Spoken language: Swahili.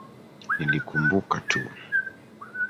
Nilikumbuka tu.